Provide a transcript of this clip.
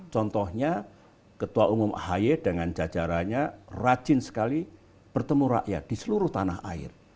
contohnya ketua umum ahi dengan jajarannya rajin sekali bertemu rakyat di seluruh tanah air